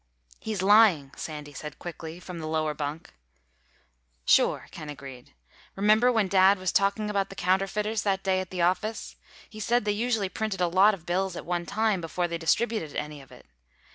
"He's lying," Sandy said quickly, from the lower bunk. "Sure," Ken agreed. "Remember when Dad was talking about counterfeiters that day at the office? He said they usually printed a lot of bills at one time, before they distributed any of it.